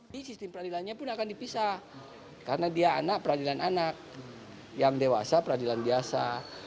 ini sistem peradilannya pun akan dipisah karena dia anak peradilan anak yang dewasa peradilan biasa